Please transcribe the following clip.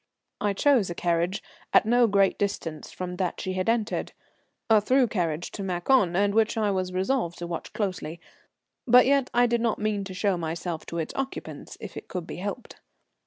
I chose a carriage at no great distance from that she had entered; a through carriage to Maçon, and which I was resolved to watch closely, but yet I did not mean to show myself to its occupants if it could be helped.